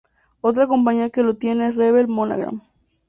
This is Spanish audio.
Otra compañía que lo tiene es Revell Monogram.